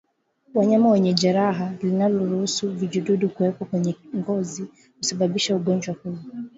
Wanyama wenye jeraha linaloruhusu vijidudu kuwepo kwenye ngozi husababisha ugonjwa huu